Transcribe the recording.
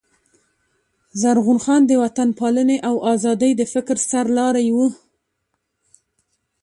زرغون خان د وطن پالني او آزادۍ د فکر سر لاری وو.